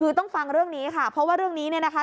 คือต้องฟังเรื่องนี้ค่ะเพราะว่าเรื่องนี้เนี่ยนะคะ